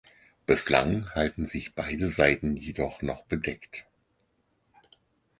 Bislang halten sich beide Seiten jedoch noch bedeckt.